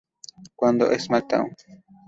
Cuando "SmackDown!